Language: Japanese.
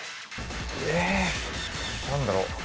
え何だろ？